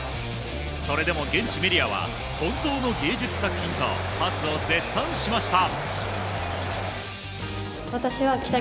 それでも現地メディアは本当の芸術作品とパスを絶賛しました。